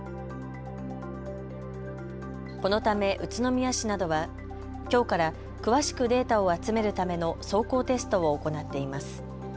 このため宇都宮市などはきょうから詳しくデータを集めるための走行テストを行っています。